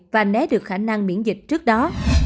và né được khả năng miễn dịch trước đó